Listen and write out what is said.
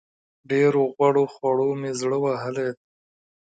ډېرو غوړو خوړو مې زړه وهلی دی.